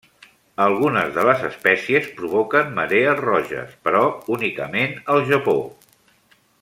Algunes de les espècies provoquen marees roges, però únicament al Japó.